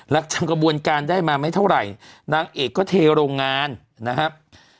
จำกระบวนการได้มาไม่เท่าไหร่นางเอกก็เทโรงงานนะครับ